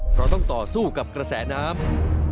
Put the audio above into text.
เพราะต้องต่อสู้กับกระแสน้ำ